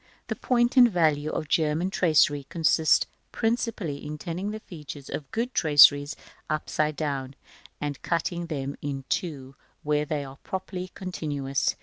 The point and value of the German tracery consists principally in turning the features of good traceries upside down, and cutting them in two where they are properly continuous.